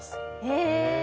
へえ。